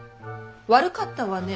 悪かったわね。